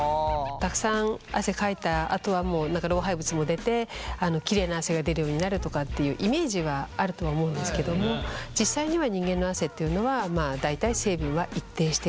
たくさん汗かいたあとは老廃物も出てきれいな汗が出るようになるとかっていうイメージはあるとは思うんですけども実際にはえ。